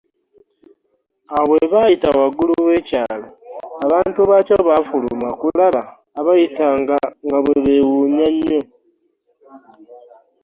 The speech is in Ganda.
Awo bwe baayita waggulu w'ekyalo, abantu baakyo baafuluma okulaba abayita nga beewuunya nnyo.